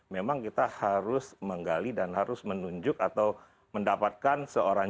memang kita harus menggali dan harus menunjuk atau mendapatkan seorang